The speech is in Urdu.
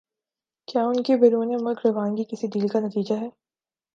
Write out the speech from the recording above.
کیا ان کی بیرون ملک روانگی کسی ڈیل کا نتیجہ ہے؟